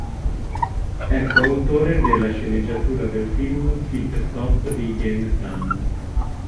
È co-autore della sceneggiatura del film "Pit Stop" di Yen Tan.